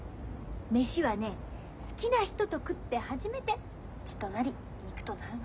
飯はね好きな人と食って初めて血となり肉となるの。